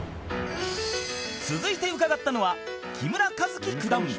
続いて伺ったのは木村一基九段